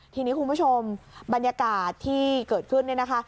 ทีนี้คุณผู้ชมบรรยากาศที่เกิดขึ้นเนี่ยนะคะ